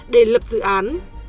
để lập dự án